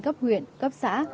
cấp huyện cấp xã